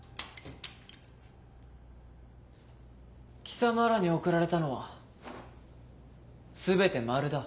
貴様らに送られたのは全て「○」だ。